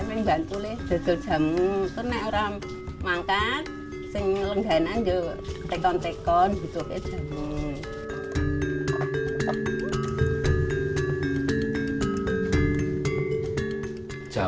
uang untuk hidup anak anak di sekolah